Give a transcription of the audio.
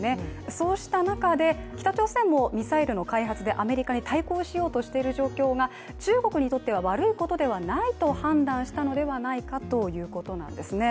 そうした中で北朝鮮もミサイルの開発でアメリカに対抗しようとしている状況が中国にとっては悪いことではないと判断したのではないかということなんですね。